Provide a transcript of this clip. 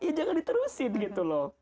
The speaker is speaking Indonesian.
ya jangan diterusin gitu loh